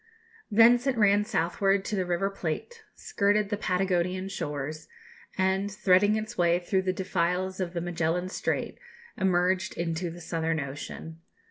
Thence it ran southward to the River Plate, skirted the Patagonian shores, and, threading its way through the defiles of the Magellan Strait, emerged into the Southern Ocean.